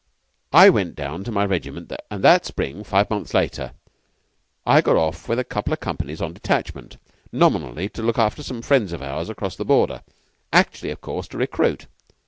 I went down to my regiment, and that spring, five mouths later, I got off with a couple of companies on detachment: nominally to look after some friends of ours across the border; actually, of course, to recruit.